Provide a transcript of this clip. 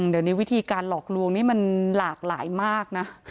เดี๋ยวนี้วิธีการหลอกลวงนี่มันหลากหลายมากนะ